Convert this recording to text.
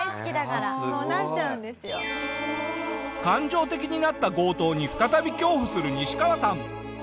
感情的になった強盗に再び恐怖するニシカワさん。